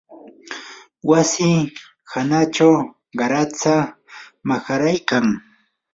wasi hanachaw qaratsa maharaykan